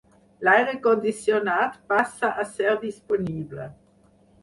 L'aire condicionat passa a ser disponible.